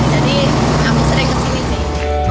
jadi aku sering kesini sih